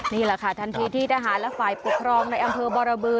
นี่แหละค่ะทันทีที่ทหารและฝ่ายปกครองในอำเภอบรบือ